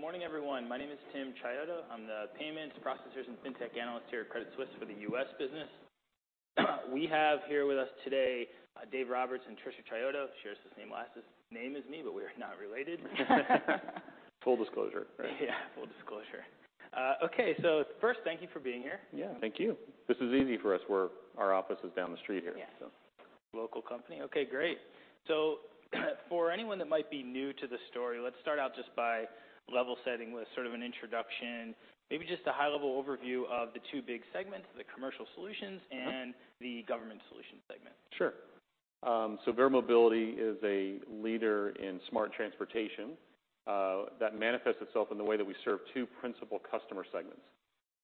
Okay. Good morning, everyone. My name is Tim Chiodo. I'm the payments, processors, and fintech analyst here at Credit Suisse for the U.S. business. We have here with us today, Dave Roberts and Tricia Chiodo, shares the same last name as me, but we are not related. Full disclosure, right? Yeah. Full disclosure. Okay. First, thank you for being here. Yeah, thank you. This is easy for us. Our office is down the street here. Yeah. Local company. Okay, great. For anyone that might be new to the story, let's start out just by level setting with sort of an introduction, maybe just a high-level overview of the two big segments, the Commercial Services and the Government Solutions segment. Verra Mobility is a leader in smart transportation. That manifests itself in the way that we serve two principal customer segments.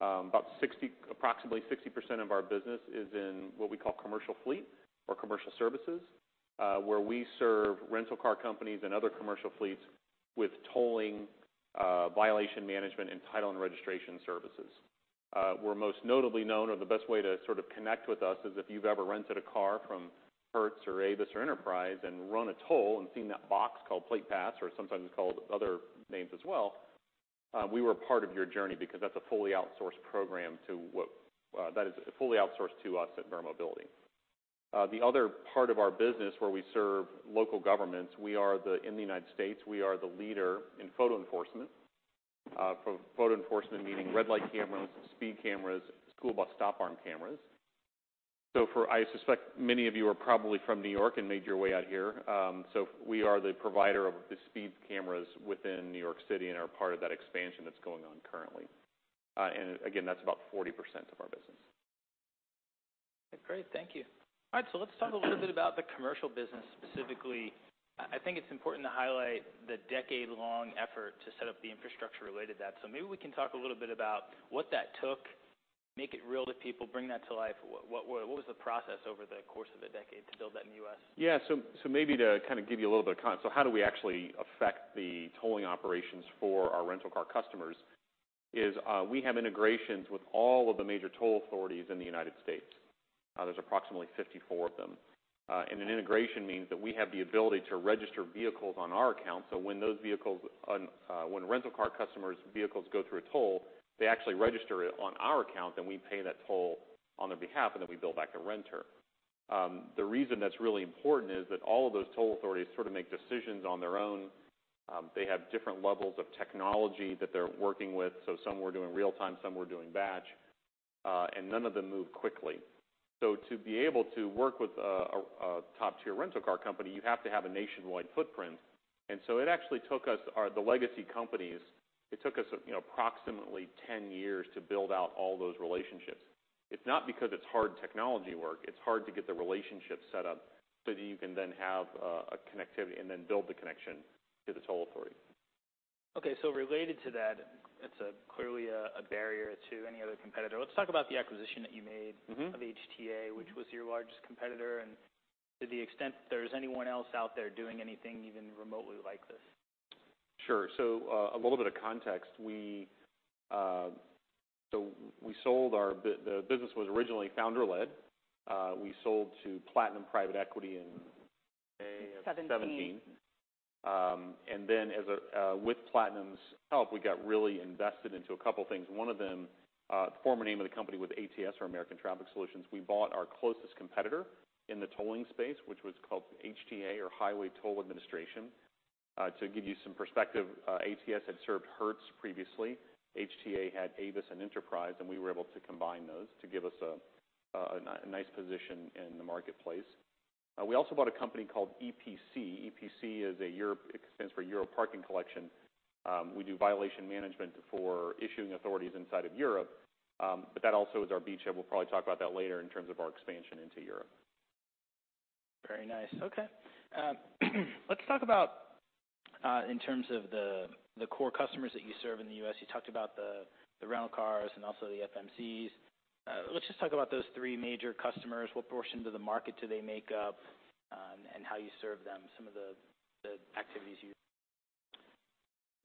Approximately 60% of our business is in what we call commercial fleet or Commercial Services, where we serve rental car companies and other commercial fleets with tolling, violation management, and title and registration services. We're most notably known, or the best way to sort of connect with us is if you've ever rented a car from Hertz or Avis or Enterprise and run a toll and seen that box called PlatePass, or sometimes it's called other names as well, we were part of your journey because that is fully outsourced to us at Verra Mobility. The other part of our business where we serve local governments in the U.S., we are the leader in photo enforcement. Photo enforcement meaning red light cameras, speed cameras, school bus stop arm cameras. I suspect many of you are probably from New York and made your way out here. We are the provider of the speed cameras within New York City and are part of that expansion that's going on currently. Again, that's about 40% of our business. Great. Thank you. All right. Let's talk a little bit about the Commercial business specifically. I think it's important to highlight the decade-long effort to set up the infrastructure related to that. Maybe we can talk a little bit about what that took, make it real to people, bring that to life. What was the process over the course of the decade to build that in the U.S.? Yeah. Maybe to kind of give you a little bit of context. How do we actually affect the tolling operations for our rental car customers is we have integrations with all of the major toll authorities in the United States. There's approximately 54 of them. An integration means that we have the ability to register vehicles on our account. When rental car customers' vehicles go through a toll, they actually register it on our account, then we pay that toll on their behalf, and then we bill back the renter. The reason that's really important is that all of those toll authorities sort of make decisions on their own. They have different levels of technology that they're working with. Some were doing real time, some were doing batch, and none of them move quickly. To be able to work with a top-tier rental car company, you have to have a nationwide footprint. It actually took us, the legacy companies, approximately 10 years to build out all those relationships. It's not because it's hard technology work. It's hard to get the relationships set up so that you can then have a connectivity and then build the connection to the toll authority. Okay. Related to that, it's clearly a barrier to any other competitor. Let's talk about the acquisition that you made. of HTA, which was your largest competitor, and to the extent there's anyone else out there doing anything even remotely like this. Sure. A little bit of context. The business was originally founder-led. We sold to Platinum Equity in May of 2017. With Platinum's help, we got really invested into a couple things. One of them, the former name of the company was ATS or American Traffic Solutions. We bought our closest competitor in the tolling space, which was called HTA or Highway Toll Administration. To give you some perspective, ATS had served Hertz previously. HTA had Avis and Enterprise, we were able to combine those to give us a nice position in the marketplace. We also bought a company called EPC. EPC stands for Euro Parking Collection. We do violation management for issuing authorities inside of Europe. That also is our beachhead. We'll probably talk about that later in terms of our expansion into Europe. Very nice. Let's talk about in terms of the core customers that you serve in the U.S. You talked about the rental cars and also the FMCs. Let's just talk about those three major customers. What portion of the market do they make up, and how you serve them, some of the activities you do?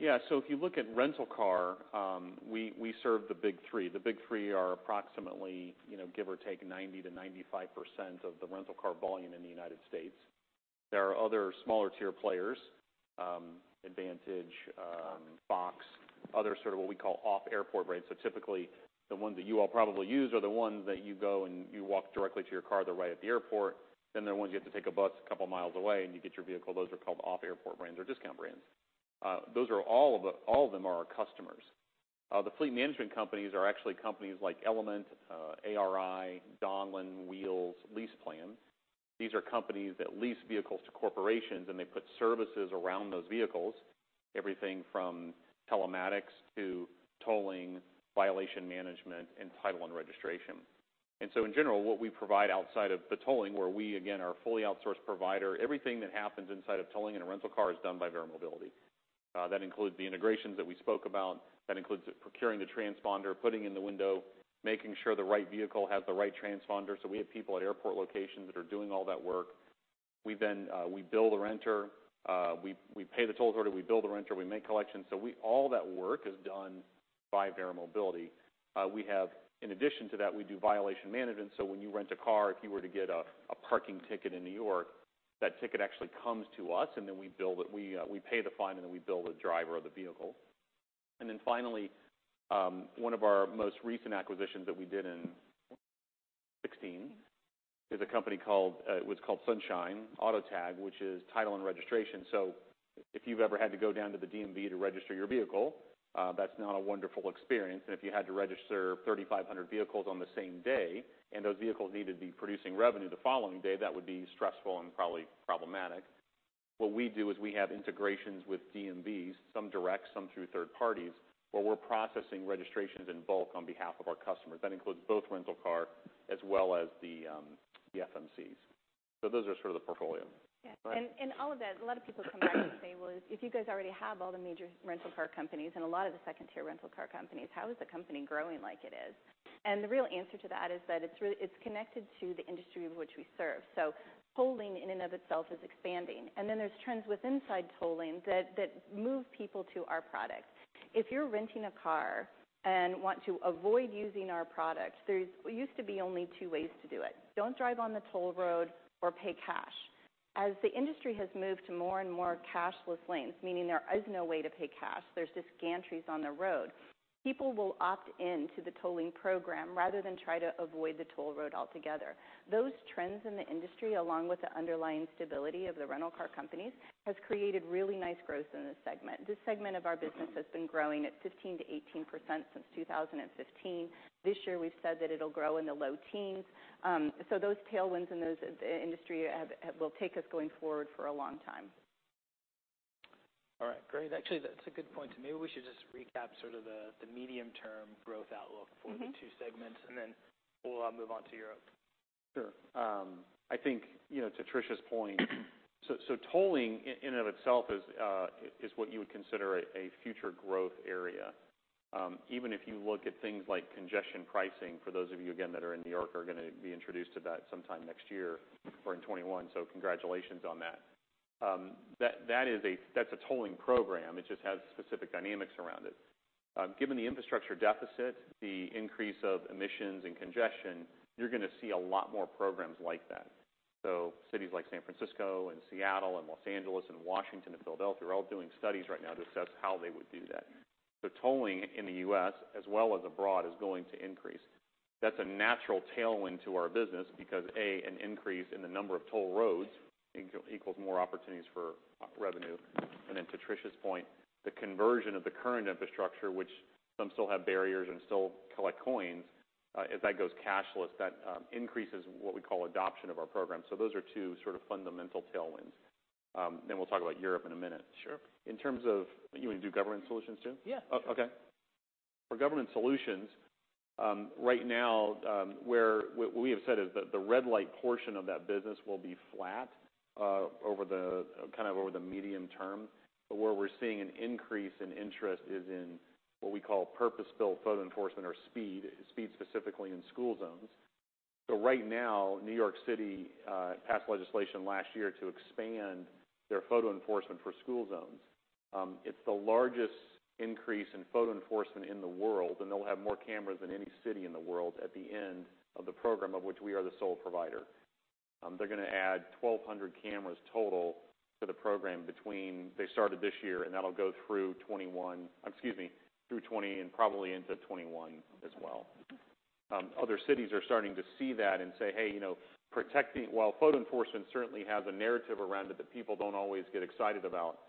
Yeah. If you look at rental car, we serve the big three. The big three are approximately, give or take, 90%-95% of the rental car volume in the U.S. There are other smaller tier players, Advantage, Fox, other sort of what we call off-airport brands. Typically, the ones that you all probably use are the ones that you go and you walk directly to your car, they're right at the airport. There are ones you have to take a bus a couple miles away and you get your vehicle. Those are called off-airport brands or discount brands. All of them are our customers. The fleet management companies are actually companies like Element, ARI, Donlen, Wheels, LeasePlan. These are companies that lease vehicles to corporations, and they put services around those vehicles, everything from telematics to tolling, violation management, and title and registration. In general, what we provide outside of the tolling, where we, again, are a fully outsourced provider, everything that happens inside of tolling in a rental car is done by Verra Mobility. That includes the integrations that we spoke about. That includes procuring the transponder, putting it in the window, making sure the right vehicle has the right transponder. We have people at airport locations that are doing all that work. We bill the renter. We pay the toll authority. We bill the renter. We make collections. All that work is done by Verra Mobility. In addition to that, we do violation management. When you rent a car, if you were to get a parking ticket in New York. That ticket actually comes to us, and then we pay the fine, and then we bill the driver of the vehicle. Then finally, one of our most recent acquisitions that we did in 2016 is a company called Sunshine State Tag Agency, which is title and registration. If you've ever had to go down to the DMV to register your vehicle, that's not a wonderful experience. If you had to register 3,500 vehicles on the same day, and those vehicles needed to be producing revenue the following day, that would be stressful and probably problematic. What we do is we have integrations with DMVs, some direct, some through third parties, where we're processing registrations in bulk on behalf of our customers. That includes both rental car as well as the FMCs. Those are sort of the portfolio. Yeah. All of that, a lot of people come back and say, "Well, if you guys already have all the major rental car companies and a lot of the second-tier rental car companies, how is the company growing like it is?" The real answer to that is that it's connected to the industry which we serve. Tolling in and of itself is expanding. There's trends with inside tolling that move people to our product. If you're renting a car and want to avoid using our product, there used to be only two ways to do it. Don't drive on the toll road or pay cash. As the industry has moved to more and more cashless lanes, meaning there is no way to pay cash, there are just gantries on the road. People will opt in to the tolling program rather than try to avoid the toll road altogether. Those trends in the industry, along with the underlying stability of the rental car companies, has created really nice growth in this segment. This segment of our business has been growing at 15% to 18% since 2015. This year, we've said that it'll grow in the low teens. Those tailwinds in those industry will take us going forward for a long time. All right. Great. Actually, that's a good point, too. Maybe we should just recap sort of the medium-term growth outlook for- the two segments, and then we'll move on to Europe. Sure. I think to Tricia's point, tolling in and of itself is what you would consider a future growth area. Even if you look at things like congestion pricing, for those of you, again, that are in New York, are going to be introduced to that sometime next year or in 2021. Congratulations on that. That's a tolling program. It just has specific dynamics around it. Given the infrastructure deficit, the increase of emissions and congestion, you're going to see a lot more programs like that. Cities like San Francisco and Seattle and Los Angeles and Washington and Philadelphia are all doing studies right now to assess how they would do that. Tolling in the U.S. as well as abroad is going to increase. That's a natural tailwind to our business because, A, an increase in the number of toll roads equals more opportunities for revenue. To Tricia's point, the conversion of the current infrastructure, which some still have barriers and still collect coins, if that goes cashless, that increases what we call adoption of our program. Those are two sort of fundamental tailwinds. We'll talk about Europe in a minute. Sure. In terms of You want me to do Government Solutions, too? Yeah. Okay. For Government Solutions, right now, what we have said is that the red light portion of that business will be flat over the medium term. Where we're seeing an increase in interest is in what we call purpose-built photo enforcement or speed specifically in school zones. Right now, New York City passed legislation last year to expand their photo enforcement for school zones. It's the largest increase in photo enforcement in the world, and they'll have more cameras than any city in the world at the end of the program, of which we are the sole provider. They're going to add 1,200 cameras total to the program between they started this year, and that'll go through 2020 and probably into 2021 as well. Other cities are starting to see that and say, "Hey, while photo enforcement certainly has a narrative around it that people don't always get excited about,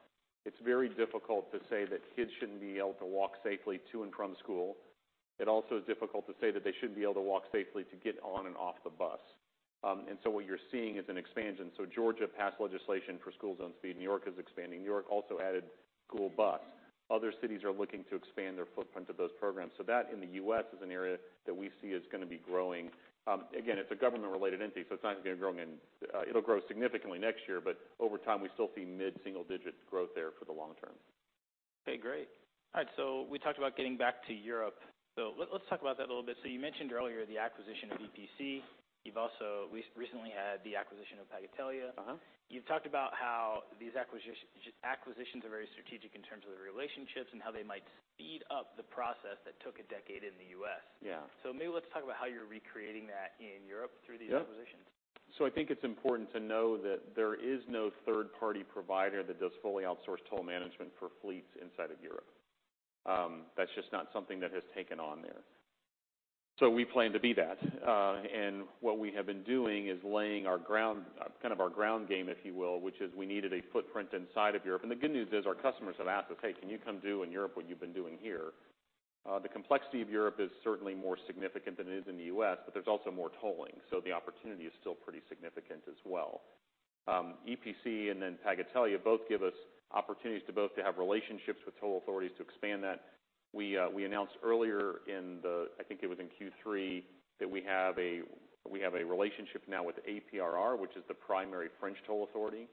it's very difficult to say that kids shouldn't be able to walk safely to and from school." It also is difficult to say that they shouldn't be able to walk safely to get on and off the bus. What you're seeing is an expansion. Georgia passed legislation for school zone speed. New York is expanding. New York also added school bus. Other cities are looking to expand their footprint of those programs. That in the U.S. is an area that we see is going to be growing. Again, it's a government-related entity, so it'll grow significantly next year, but over time, we still see mid-single digit growth there for the long term. Okay, great. All right, we talked about getting back to Europe. Let's talk about that a little bit. You mentioned earlier the acquisition of EPC. You've also recently had the acquisition of Pagatelia. You've talked about how these acquisitions are very strategic in terms of the relationships and how they might speed up the process that took a decade in the U.S. Yeah. Maybe let's talk about how you're recreating that in Europe through these acquisitions. Yeah. I think it's important to know that there is no third-party provider that does fully outsourced toll management for fleets inside of Europe. That's just not something that has taken on there. We plan to be that. What we have been doing is laying our ground game, if you will, which is we needed a footprint inside of Europe. The good news is our customers have asked us, "Hey, can you come do in Europe what you've been doing here?" The complexity of Europe is certainly more significant than it is in the U.S., but there's also more tolling, so the opportunity is still pretty significant as well. EPC and then Pagatelia both give us opportunities to both to have relationships with toll authorities to expand that. We announced earlier in the, I think it was in Q3, that we have a relationship now with APRR, which is the primary French toll authority.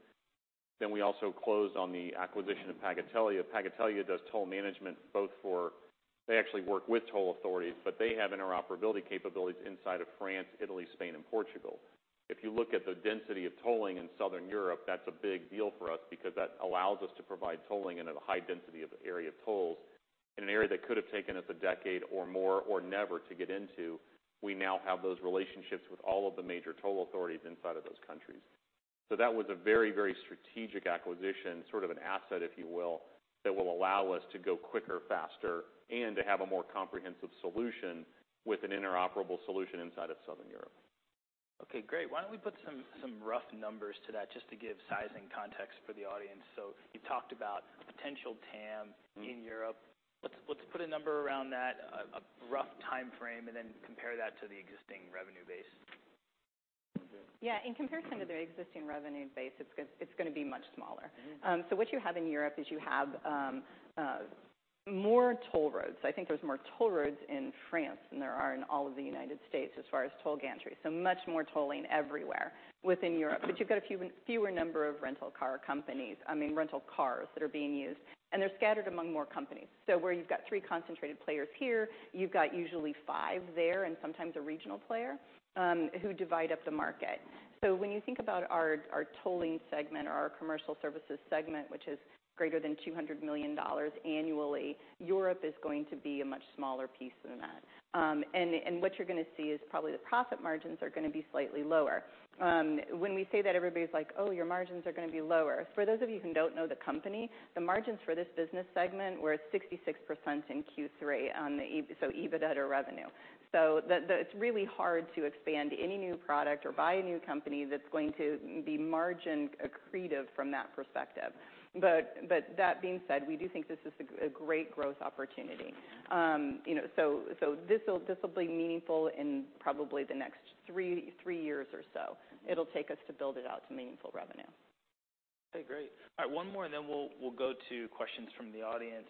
We also closed on the acquisition of Pagatelia. Pagatelia does toll management. They actually work with toll authorities, but they have interoperability capabilities inside of France, Italy, Spain, and Portugal. If you look at the density of tolling in Southern Europe, that's a big deal for us because that allows us to provide tolling in a high density of area tolls. In an area that could have taken us a decade or more, or never to get into, we now have those relationships with all of the major toll authorities inside of those countries. That was a very, very strategic acquisition, sort of an asset, if you will, that will allow us to go quicker, faster, and to have a more comprehensive solution with an interoperable solution inside of Southern Europe. Okay, great. Why don't we put some rough numbers to that, just to give sizing context for the audience. You talked about potential TAM in Europe. Let's put a number around that, a rough timeframe, and then compare that to the existing revenue base. Yeah. In comparison to the existing revenue base, it is going to be much smaller. What you have in Europe is you have more toll roads. I think there is more toll roads in France than there are in all of the United States as far as toll gantries, so much more tolling everywhere within Europe. You have got a fewer number of rental car companies, I mean, rental cars that are being used, and they are scattered among more companies. Where you have got three concentrated players here, you have got usually five there, and sometimes a regional player who divide up the market. When you think about our tolling segment or our Commercial Services segment, which is greater than $200 million annually, Europe is going to be a much smaller piece than that. What you are going to see is probably the profit margins are going to be slightly lower. When we say that, everybody's like, "Oh, your margins are going to be lower." For those of you who don't know the company, the margins for this business segment were 66% in Q3 on the EBITDA revenue. It's really hard to expand any new product or buy a new company that's going to be margin accretive from that perspective. That being said, we do think this is a great growth opportunity. This will be meaningful in probably the next three years or so. It'll take us to build it out to meaningful revenue. Okay, great. All right. One more and then we'll go to questions from the audience.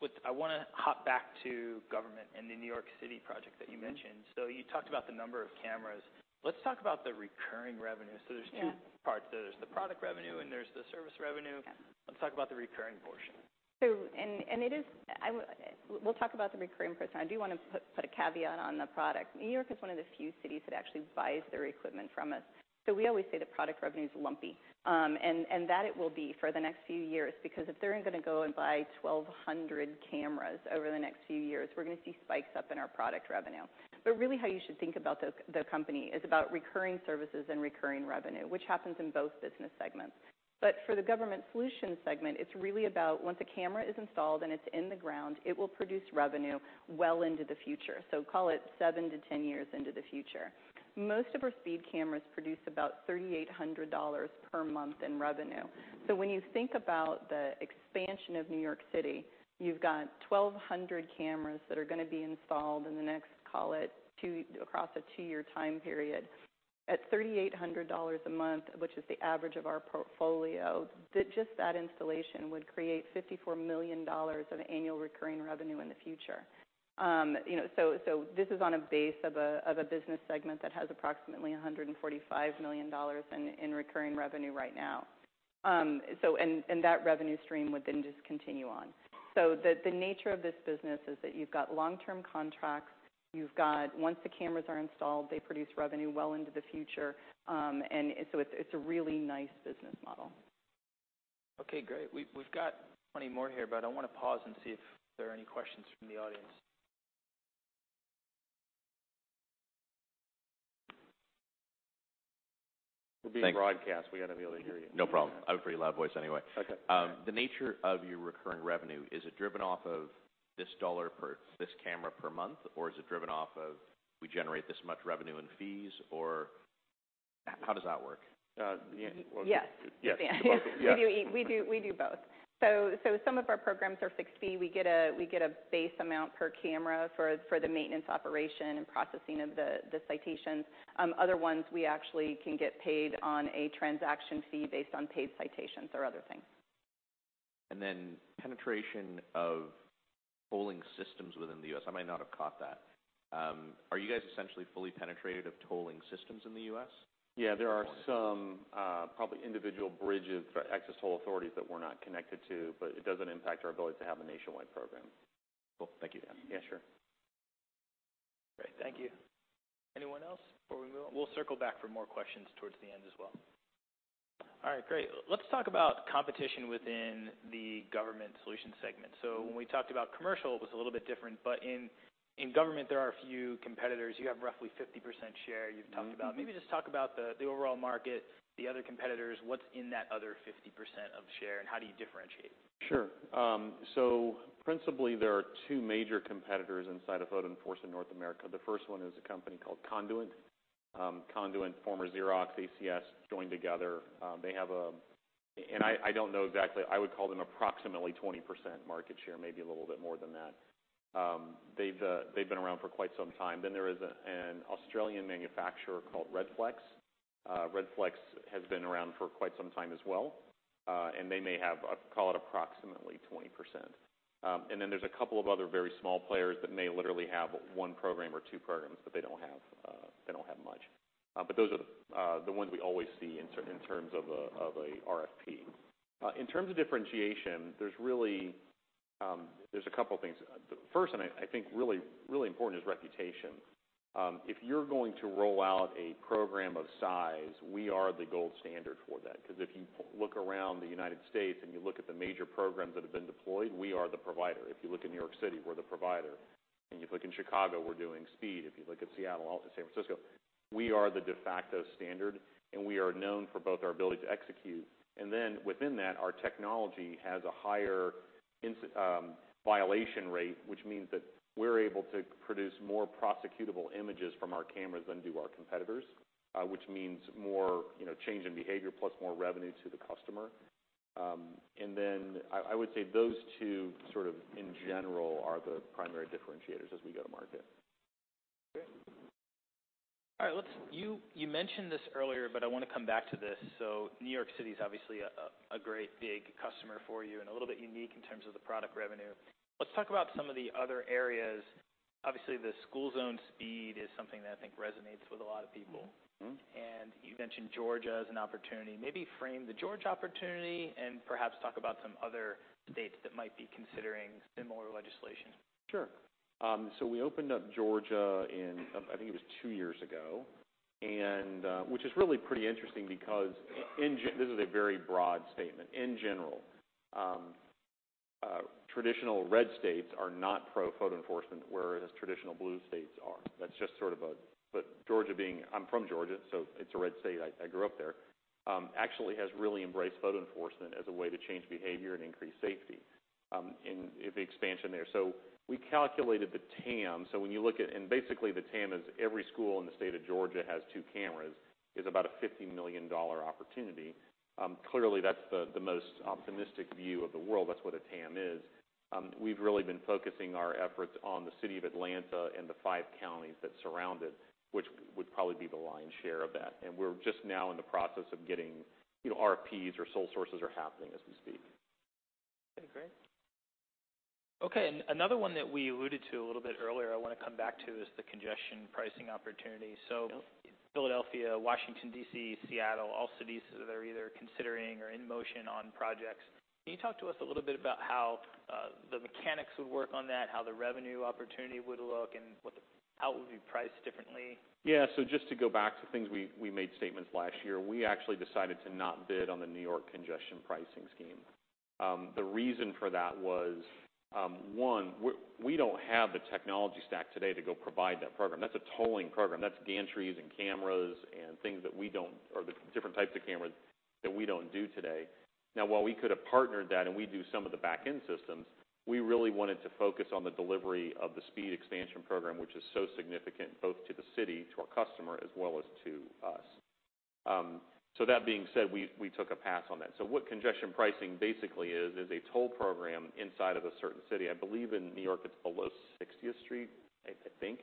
I want to hop back to Government and the New York City project that you mentioned. You talked about the number of cameras. Let's talk about the recurring revenue. Yeah. There's two parts there. There's the product revenue and there's the service revenue. Yeah. Let's talk about the recurring portion. We'll talk about the recurring portion. I do want to put a caveat on the product. New York is one of the few cities that actually buys their equipment from us. We always say the product revenue is lumpy. That it will be for the next few years, because if they're going to go and buy 1,200 cameras over the next few years, we're going to see spikes up in our product revenue. Really how you should think about the company is about recurring services and recurring revenue, which happens in both business segments. For the Government Solutions segment, it's really about once a camera is installed and it's in the ground, it will produce revenue well into the future. Call it 7-10 years into the future. Most of our speed cameras produce about $3,800 per month in revenue. When you think about the expansion of New York City, you've got 1,200 cameras that are going to be installed in the next, call it, across a two-year time period. At $3,800 a month, which is the average of our portfolio, just that installation would create $54 million of annual recurring revenue in the future. This is on a base of a business segment that has approximately $145 million in recurring revenue right now. That revenue stream would just continue on. The nature of this business is that you've got long-term contracts. Once the cameras are installed, they produce revenue well into the future. It's a really nice business model. Okay, great. We've got plenty more here, but I want to pause and see if there are any questions from the audience. We're being broadcast. We got to be able to hear you. No problem. I have a pretty loud voice anyway. Okay. The nature of your recurring revenue, is it driven off of this dollar per this camera per month, or is it driven off of we generate this much revenue in fees, or how does that work? Yeah. Yes. Yes. We do both. Some of our programs are fixed fee. We get a base amount per camera for the maintenance, operation, and processing of the citations. Other ones, we actually can get paid on a transaction fee based on paid citations or other things. Penetration of tolling systems within the U.S., I might not have caught that. Are you guys essentially fully penetrated of tolling systems in the U.S.? Yeah. There are some probably individual bridges, access toll authorities that we're not connected to, but it doesn't impact our ability to have a nationwide program. Cool. Thank you. Yeah, sure. Great. Thank you. Anyone else before we move on? We'll circle back for more questions towards the end as well. All right, great. Let's talk about competition within the Government Solutions segment. When we talked about Commercial, it was a little bit different. In government, there are a few competitors. You have roughly 50% share you've talked about. Maybe just talk about the overall market, the other competitors. What's in that other 50% of share, and how do you differentiate? Sure. Principally, there are two major competitors inside of photo enforcement North America. The first one is a company called Conduent. Conduent, former Xerox, ACS, joined together. I don't know exactly. I would call them approximately 20% market share, maybe a little bit more than that. They've been around for quite some time. There is an Australian manufacturer called Redflex. Redflex has been around for quite some time as well. They may have, call it, approximately 20%. There's a couple of other very small players that may literally have one program or two programs, but they don't have much. Those are the ones we always see in terms of a RFP. In terms of differentiation, there's a couple of things. The first, and I think really important, is reputation. If you're going to roll out a program of size, we are the gold standard for that. If you look around the U.S. and you look at the major programs that have been deployed, we are the provider. If you look in New York City, we're the provider. If you look in Chicago, we're doing speed. If you look at Seattle, all to San Francisco, we are the de facto standard, and we are known for both our ability to execute. Within that, our technology has a higher violation rate, which means that we're able to produce more prosecutable images from our cameras than do our competitors, which means more change in behavior plus more revenue to the customer. I would say those two sort of in general are the primary differentiators as we go to market. Great. All right. You mentioned this earlier, I want to come back to this. New York City is obviously a great big customer for you and a little bit unique in terms of the product revenue. Let's talk about some of the other areas. Obviously, the school zone speed is something that I think resonates with a lot of people. You mentioned Georgia as an opportunity. Maybe frame the Georgia opportunity and perhaps talk about some other states that might be considering similar legislation. Sure. We opened up Georgia in, I think it was two years ago, which is really pretty interesting because this is a very broad statement. In general, traditional red states are not pro-photo enforcement, whereas traditional blue states are. I'm from Georgia, so it's a red state. I grew up there. Actually has really embraced photo enforcement as a way to change behavior and increase safety, and the expansion there. We calculated the TAM. Basically the TAM is every school in the state of Georgia has two cameras, is about a $50 million opportunity. Clearly, that's the most optimistic view of the world. That's what a TAM is. We've really been focusing our efforts on the city of Atlanta and the five counties that surround it, which would probably be the lion's share of that. We're just now in the process of getting RFPs or sole sources are happening as we speak. Okay, great. Okay, another one that we alluded to a little bit earlier, I want to come back to is the congestion pricing opportunity. Philadelphia, Washington, D.C., Seattle, all cities that are either considering or in motion on projects. Can you talk to us a little bit about how the mechanics would work on that, how the revenue opportunity would look, and how it would be priced differently? Yeah. Just to go back to things we made statements last year. We actually decided to not bid on the New York congestion pricing scheme. The reason for that was, one, we don't have the technology stack today to go provide that program. That's a tolling program. That's gantries and cameras and different types of cameras that we don't do today. While we could have partnered that and we do some of the back-end systems, we really wanted to focus on the delivery of the Speed Expansion Program, which is so significant both to the city, to our customer, as well as to us. That being said, we took a pass on that. What congestion pricing basically is a toll program inside of a certain city. I believe in New York, it's below 60th Street, I think.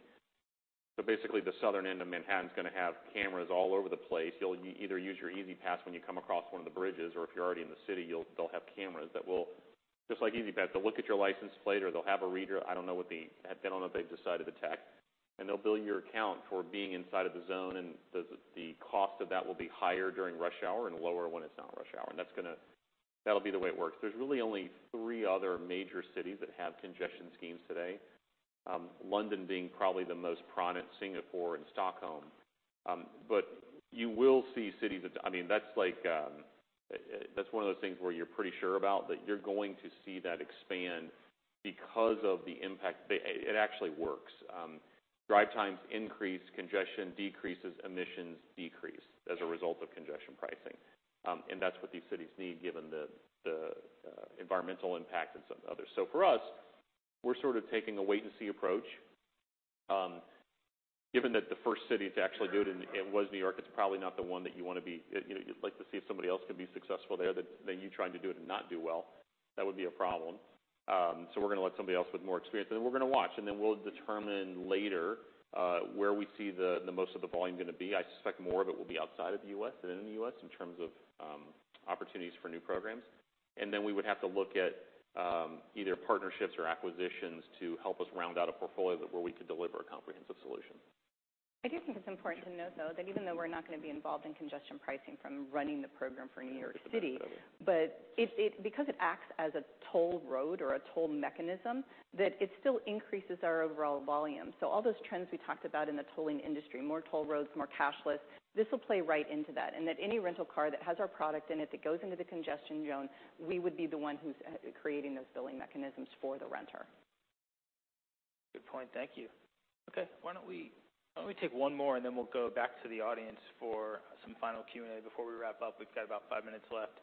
Basically, the southern end of Manhattan is going to have cameras all over the place. You'll either use your E-ZPass when you come across one of the bridges, or if you're already in the city, they'll have cameras that will, just like E-ZPass, they'll look at your license plate, or they'll have a reader. I don't know if they've decided the tech. They'll bill your account for being inside of the zone, and the cost of that will be higher during rush hour and lower when it's not rush hour. That's going to be the way it works. There's really only three other major cities that have congestion pricing today. London being probably the most prominent, Singapore and Stockholm. You will see cities. That's one of those things where you're pretty sure about that you're going to see that expand because of the impact. It actually works. Drive times increase, congestion decreases, emissions decrease as a result of congestion pricing. That's what these cities need given the environmental impact and some others. For us, we're sort of taking a wait-and-see approach. Given that the first city to actually do it was New York, it's probably not the one that you want to be. You'd like to see if somebody else can be successful there than you trying to do it and not do well. That would be a problem. We're going to let somebody else with more experience, then we're going to watch, then we'll determine later where we see the most of the volume going to be. I suspect more of it will be outside of the U.S. than in the U.S. in terms of opportunities for new programs. We would have to look at either partnerships or acquisitions to help us round out a portfolio where we could deliver a comprehensive solution. I do think it's important to note, though, that even though we're not going to be involved in congestion pricing from running the program for New York City, but because it acts as a toll road or a toll mechanism, that it still increases our overall volume. All those trends we talked about in the tolling industry, more toll roads, more cashless, this will play right into that. That any rental car that has our product in it, that goes into the congestion zone, we would be the one who's creating those billing mechanisms for the renter. Good point, thank you. Okay. Why don't we take one more, and then we'll go back to the audience for some final Q&A before we wrap up. We've got about five minutes left.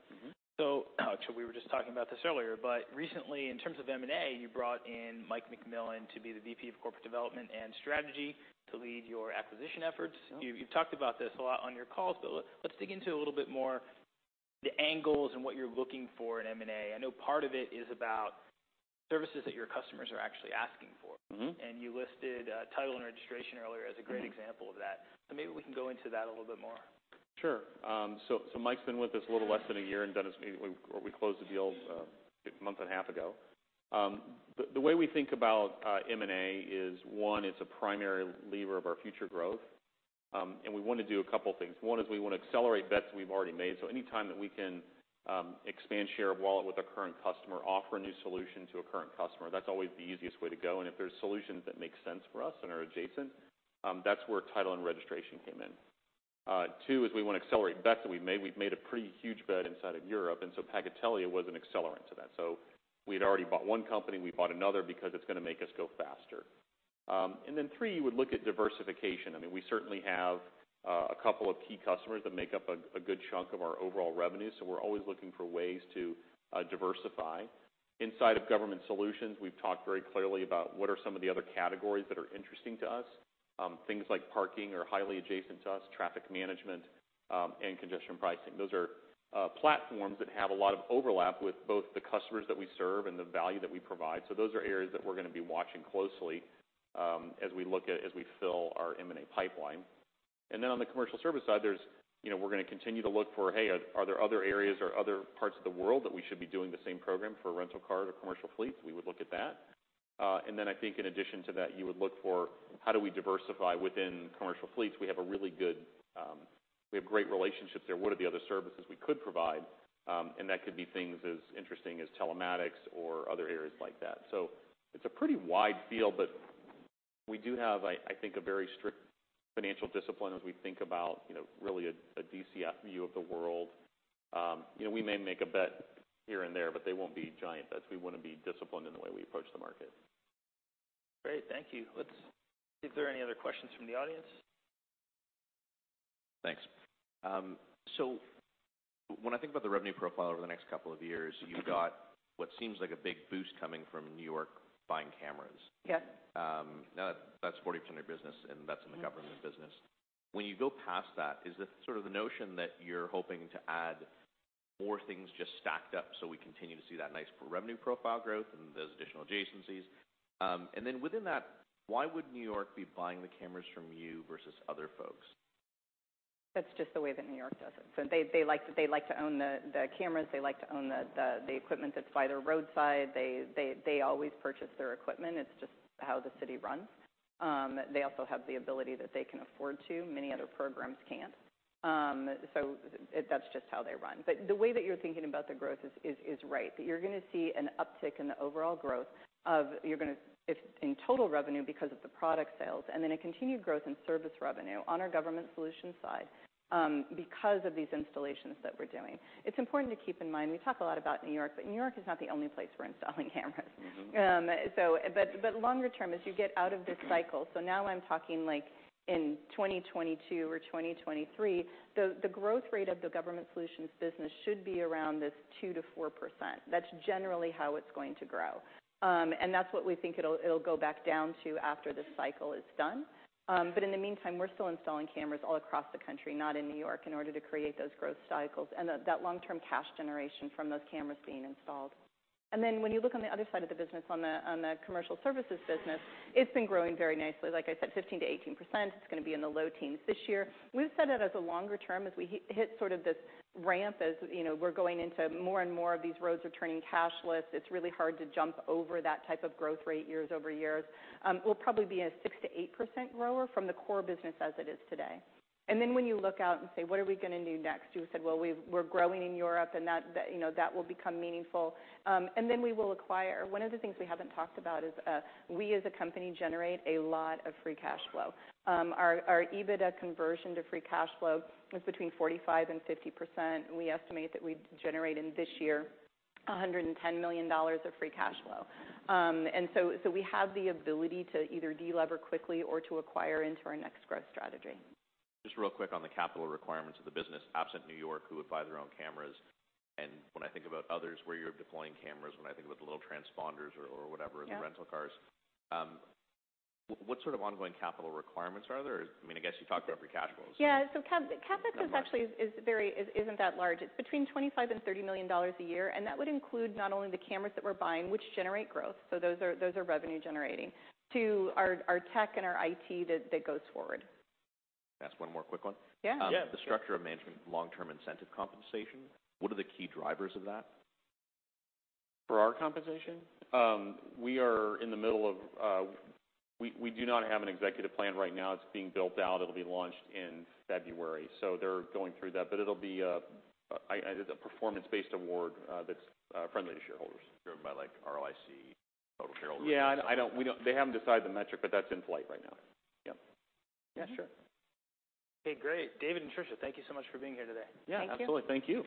We were just talking about this earlier, but recently, in terms of M&A, you brought in Mike McMillin to be the VP of Corporate Development and Strategy to lead your acquisition efforts. Yeah. You've talked about this a lot on your calls, but let's dig into a little bit more the angles and what you're looking for in M&A. I know part of it is about services that your customers are actually asking for. You listed title and registration earlier as a great example of that. Maybe we can go into that a little bit more. Sure. Mike's been with us a little less than a year and we closed the deal a month and a half ago. The way we think about M&A is one, it's a primary lever of our future growth. We want to do a couple things. One is we want to accelerate bets we've already made. Any time that we can expand share of wallet with a current customer, offer a new solution to a current customer, that's always the easiest way to go. If there's solutions that make sense for us and are adjacent, that's where title and registration came in. Two is we want to accelerate bets that we've made. We've made a pretty huge bet inside of Europe, and so Pagatelia was an accelerant to that. We'd already bought one company, we bought another because it's going to make us go faster. Three, you would look at diversification. I mean, we certainly have a couple of key customers that make up a good chunk of our overall revenue. We're always looking for ways to diversify. Inside of Government Solutions, we've talked very clearly about what are some of the other categories that are interesting to us. Things like parking are highly adjacent to us, traffic management, and congestion pricing. Those are platforms that have a lot of overlap with both the customers that we serve and the value that we provide. Those are areas that we're going to be watching closely as we fill our M&A pipeline. On the Commercial Services side, we're going to continue to look for, hey, are there other areas or other parts of the world that we should be doing the same program for rental car or commercial fleets? We would look at that. Then I think in addition to that, you would look for how do we diversify within Commercial Services? We have great relationships there. What are the other services we could provide? That could be things as interesting as telematics or other areas like that. It's a pretty wide field, but we do have, I think, a very strict financial discipline as we think about really a DCF view of the world. We may make a bet here and there, but they won't be giant bets. We want to be disciplined in the way we approach the market. Great. Thank you. Is there any other questions from the audience? Thanks. When I think about the revenue profile over the next couple of years, you've got what seems like a big boost coming from New York buying cameras. Yes. That's 40% of your business, and that's in the Government business. When you go past that, is it sort of the notion that you're hoping to add more things just stacked up so we continue to see that nice revenue profile growth and those additional adjacencies? Within that, why would New York be buying the cameras from you versus other folks? That's just the way that New York does it. They like to own the cameras. They like to own the equipment that's by their roadside. They always purchase their equipment. It's just how the city runs. They also have the ability that they can afford to. Many other programs can't. That's just how they run. The way that you're thinking about the growth is right. You're going to see an uptick in the overall growth in total revenue because of the product sales, and then a continued growth in service revenue on our Government Solutions side because of these installations that we're doing. It's important to keep in mind, we talk a lot about New York, but New York is not the only place we're installing cameras. Longer term, as you get out of this cycle, now I'm talking like in 2022 or 2023, the growth rate of the Government Solutions business should be around this 2%-4%. That's generally how it's going to grow. That's what we think it'll go back down to after this cycle is done. In the meantime, we're still installing cameras all across the country, not in New York, in order to create those growth cycles and that long-term cash generation from those cameras being installed. When you look on the other side of the business, on the Commercial Services business, it's been growing very nicely. Like I said, 15%-18%. It's going to be in the low teens this year. We've said that as a longer term, as we hit sort of this ramp, as we're going into more and more of these roads are turning cashless. It's really hard to jump over that type of growth rate years over years. We'll probably be a 6%-8% grower from the core business as it is today. When you look out and say, "What are we going to do next?" You said, well, we're growing in Europe, and that will become meaningful. We will acquire. One of the things we haven't talked about is we as a company generate a lot of free cash flow. Our EBITDA conversion to free cash flow was between 45%-50%, and we estimate that we've generated this year $110 million of free cash flow. We have the ability to either de-lever quickly or to acquire into our next growth strategy. Just real quick on the capital requirements of the business, absent N.Y. who would buy their own cameras, and when I think about others where you're deploying cameras, when I think about the little transponders or whatever. Yeah the rental cars, what sort of ongoing capital requirements are there? I mean, I guess you talked about free cash flows. Yeah. CapEx actually isn't that large. It's between $25 and $30 million a year, and that would include not only the cameras that we're buying, which generate growth, so those are revenue generating, to our tech and our IT that goes forward. Can I ask one more quick one? Yeah. Yeah. The structure of management, long-term incentive compensation, what are the key drivers of that? For our compensation? We do not have an executive plan right now. It's being built out. It'll be launched in February. They're going through that. It's a performance-based award that's friendly to shareholders. Driven by like ROIC, total shareholder return? Yeah. They haven't decided the metric, but that's in flight right now. Okay. Yep. Yeah, sure. Okay, great. Dave and Tricia, thank you so much for being here today. Thank you. Yeah, absolutely. Thank you.